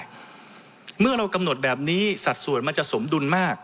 เมื่อเรากำหนดแบบนี้สัดส่วนมันจะสมดุลมาก